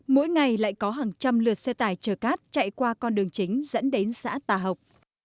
mỗi ngày lại có hàng trăm lượt xe tải chở cát chạy qua con đường chính dẫn đến xã tà học